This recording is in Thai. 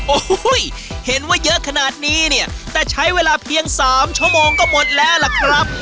โอ้โหเห็นว่าเยอะขนาดนี้เนี่ยแต่ใช้เวลาเพียงสามชั่วโมงก็หมดแล้วล่ะครับ